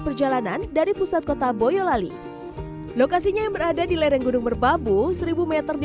perjalanan dari pusat kota boyolali lokasinya yang berada di lereng gunung merbabu seribu m di